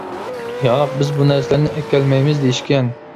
-ياق، بىز بۇ نەرسىلەرنى ئەكەلمەيمىز دېيىشكەن.